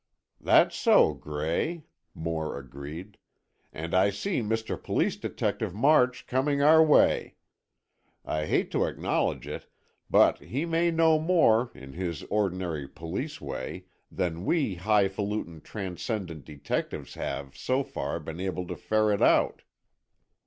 "That's so, Gray," Moore agreed. "And I see Mr. Police Detective March coming our way. I hate to acknowledge it, but he may know more, in his ordinary police way, than we hifalutin, transcendent detectives have, so far, been able to ferret out."